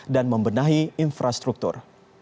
dan membenahi infrastruktur